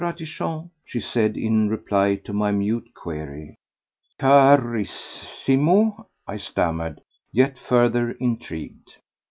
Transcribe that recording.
Ratichon," she said in reply to my mute query. "Carissimo?" I stammered, yet further intrigued.